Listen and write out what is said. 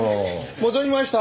戻りました。